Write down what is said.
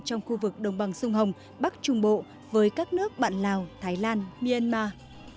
trong khu vực đồng bằng sông hồng bắc trung bộ với các nước bạn lào thái lan myanmar